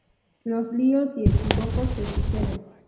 Los líos y equívocos se suceden.